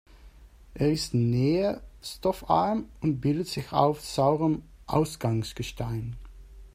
Er ist nährstoffarm und bildet sich auf saurem Ausgangsgestein.